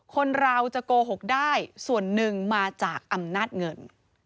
คนเราจะโกหกได้ส่วนหนึ่งมาจากอำนาจเงิน